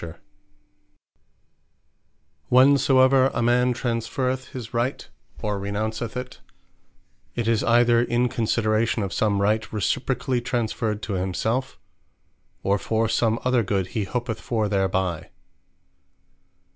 Not All Rights Are Alienable Whensoever a man Transferreth his Right, or Renounceth it; it is either in consideration of some Right reciprocally transferred to himselfe; or for some other good he hopeth for thereby.